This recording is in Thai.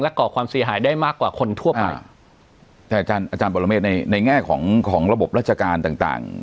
ก่อความเสียหายได้มากกว่าคนทั่วไปแต่อาจารย์อาจารย์ปรเมฆในในแง่ของของระบบราชการต่างต่าง